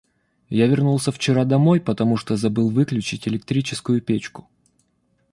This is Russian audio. Я вернулся вчера домой, потому что забыл выключить электрическую печку.